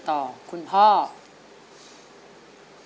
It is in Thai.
มาพบกับแก้วตานะครับนักสู้ชีวิตสู้งาน